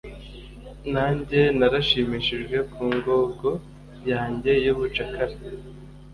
Nanjye narashimishijwe ku ngogo yanjye yubucakara